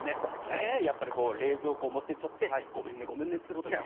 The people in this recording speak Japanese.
やっぱり冷蔵庫を持ってっちゃってごめんねごめんねってことでね。